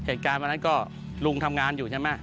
เหตุการณ์วันนั้นก็ลุงทำงานอยู่ใช่ไหม